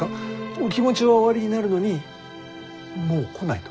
お気持ちはおありになるのにもう来ないと？